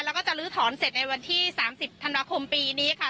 แล้วก็จะลื้อถอนเสร็จในวันที่๓๐ธันวาคมปีนี้ค่ะ